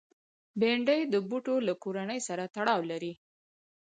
بېنډۍ د بوټو له کورنۍ سره تړاو لري